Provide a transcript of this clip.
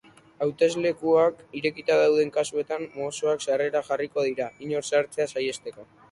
Hauteslekuak irekita dauden kasuetan, mossoak sarreran jarriko dira, inor sartzea saihesteko.